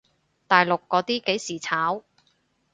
大陸嗰啲幾時炒？